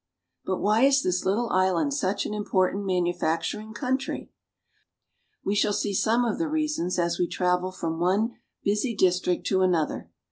But why is this little island such an important manu facturing country ? We shall see some of the reasons as we travel from one busy district to another.